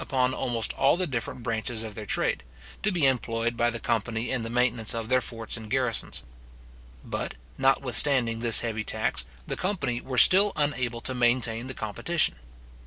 upon almost all the different branches of their trade, to be employed by the company in the maintenance of their forts and garrisons. But, notwithstanding this heavy tax, the company were still unable to maintain the competition.